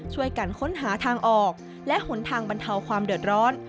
ช่วยกันค้นหาทางออกและหนทางบรรเทาความเดือดร้อน